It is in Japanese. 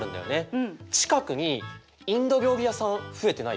近くにインド料理屋さん増えてない？